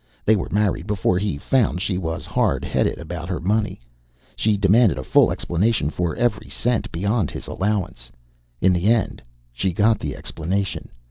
They were married before he found she was hard headed about her money. She demanded a full explanation for every cent beyond his allowance. In the end, she got the explanation.